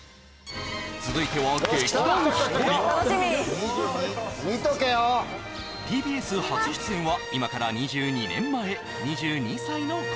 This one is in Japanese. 続いては劇団ひとりＴＢＳ初出演は今から２２年前２２歳の頃